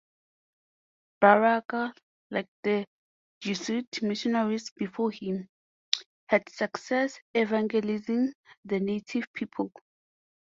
Baraga, like the Jesuit missionaries before him, had success evangelizing the native people.